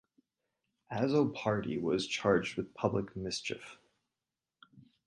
Azzopardi was charged with public mischief.